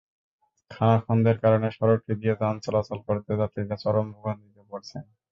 খানাখন্দের কারণে সড়কটি দিয়ে যান চলাচল করতে যাত্রীরা চরম ভোগান্তিতে পড়ছেন।